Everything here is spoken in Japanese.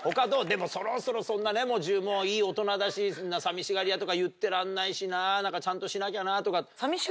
でもそろそろ自分もいい大人だしそんな寂しがり屋とか言ってらんないしなちゃんとしなきゃなとか。